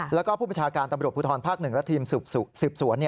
แล้วก็ผู้ประชาการตำรวจภูทรภาค๑และทีมสืบสวน